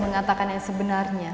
mengatakan yang sebenarnya